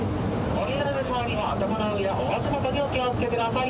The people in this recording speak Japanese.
降りられる際には頭の上や、お足元にお気を付けください。